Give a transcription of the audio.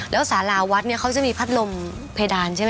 แล้วสาราวัดเนี่ยเขาจะมีพัดลมเพดานใช่ไหม